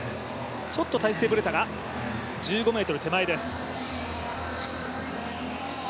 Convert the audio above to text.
ちょっと体勢ぶれたか、１５ｍ手前です。